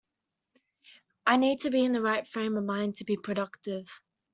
I need to be in the right frame of mind to be productive.